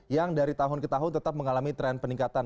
yang dari tahun ke tahun tetap mengalami tren peningkatan